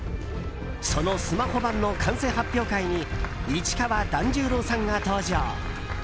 そのスマホ版の完成発表会に市川團十郎さんが登場。